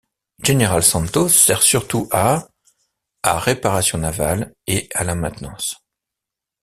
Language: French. General Santos sert surtout à a réparation navale et à la maintenance.